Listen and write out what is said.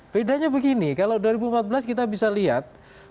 bedanya begini kalau dua ribu empat belas kita bisa lihat